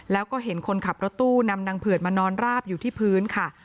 แล้วก็เห็นคนขับรถตู้นำนางเผือดมานอนราบอยู่ที่พื้นค่ะ